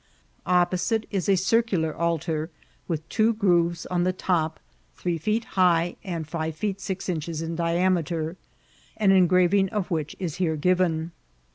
Opposite is a circular altar with two grooves on the top, three feet high, and five feet six inches in diame ter, an engraving of which is here given.